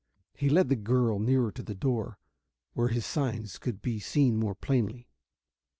He led the girl nearer to the door, where his signs could be seen more plainly.